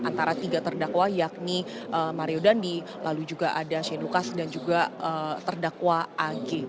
antara tiga terdakwa yakni mario dandi lalu juga ada shane lucas dan juga terdakwa ag